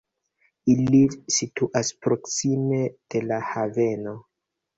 Ili situas proksime de la haveno.